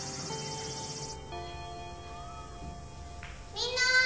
みんな！